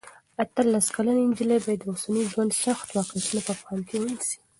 اتلس کلنه نجلۍ باید د اوسني ژوند سخت واقعیتونه په پام کې ونیسي.